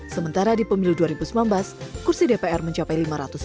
sementara di pemilu dua ribu sembilan belas kursi dpr mencapai lima ratus empat puluh